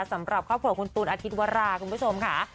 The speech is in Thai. สำหรับครอบครัวคุณตูนอาทิตย์วราคุณผู้ชมค่ะ